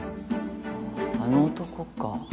あああの男か。